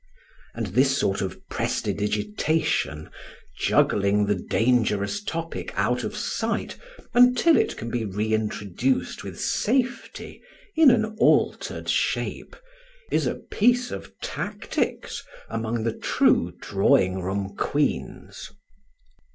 And this sort of prestidigitation, juggling the dangerous topic out of sight until it can be reintroduced with safety in an altered shape, is a piece of tactics among the true drawing room queens.